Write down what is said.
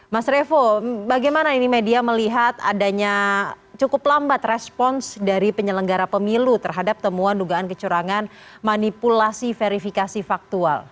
mas revo bagaimana ini media melihat adanya cukup lambat respons dari penyelenggara pemilu terhadap temuan dugaan kecurangan manipulasi verifikasi faktual